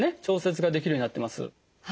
調節ができるようになってます。